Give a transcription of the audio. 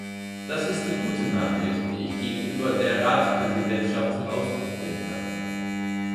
Das ist die gute Nachricht, die ich gegenüber der Ratspräsidentschaft zum Ausdruck bringen kann.